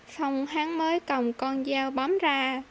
xong hắn mới cầm con dao bấm ra để bắt giật tài sản của mình